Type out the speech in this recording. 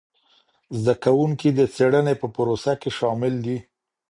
زده کوونکي د څېړنې په پروسه کي شامل دي.